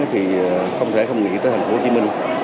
thì không thể không nghĩ tới thành phố hồ chí minh